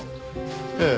ええ。